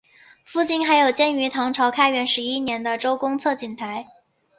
附近还有建于唐朝开元十一年的周公测景台。